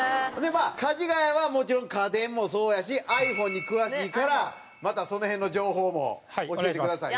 まあかじがやはもちろん家電もそうやしｉＰｈｏｎｅに詳しいからまたその辺の情報も教えてくださいね。